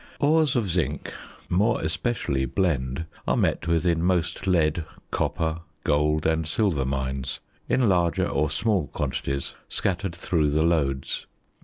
Ores of zinc, more especially blende, are met with in most lead, copper, gold, and silver mines, in larger or small quantities scattered through the lodes.